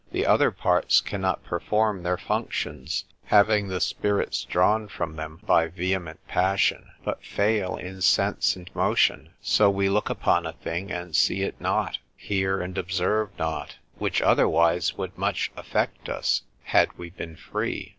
The other parts cannot perform their functions, having the spirits drawn from them by vehement passion, but fail in sense and motion; so we look upon a thing, and see it not; hear, and observe not; which otherwise would much affect us, had we been free.